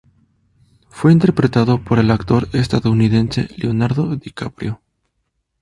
Fue interpretado por el actor estadounidense Leonardo DiCaprio.